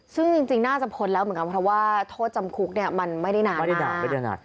ซึ่งจริงน่าจะพ้นแล้วเหมือนกันเพราะว่าโทษจำคุกมันไม่ได้นานมา